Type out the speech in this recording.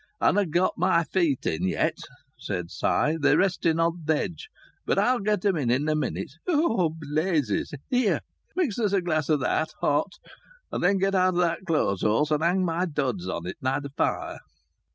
"I hanna' gotten my feet in yet," said Si. "They're resting on th' edge. But I'll get 'em in in a minute. Oh! Blazes! Here! Mix us a glass o' that, hot. And then get out that clothes horse and hang my duds on it nigh th' fire."